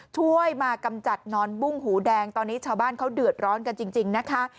ช่วยมากำจัดนอนบุ้งหูแดงตอนนี้ชาวบ้านเขาเดือดร้อนกันจริงนะคะ